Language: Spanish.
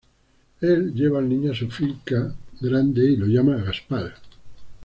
Él lleva al niño a su finca grande y lo llama Gaspar.